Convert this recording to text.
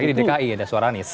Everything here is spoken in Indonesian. ini di dki ada suara anies